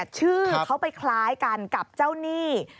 ชื่อเขาไปคล้ายกันกับเจ้าหนี้